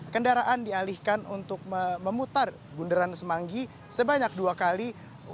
kendaraan dialihkan untuk memutar bundaran semanggi sebanyak dua kali